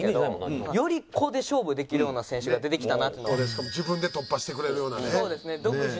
しかも自分で突破してくれるようなね。